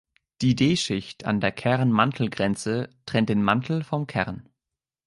Die D-Schicht an der Kern-Mantel-Grenze trennt den Mantel vom Kern.